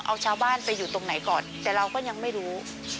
เอาชาวบ้านไปอยู่ตรงไหนก่อนแต่เราก็ยังไม่รู้